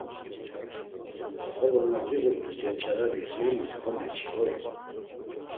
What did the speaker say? Xolo na giğurt̆u cenç̌areri ğvinis komeçi hoi?